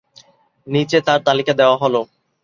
নিচে তার তালিকা দেওয়া হলঃ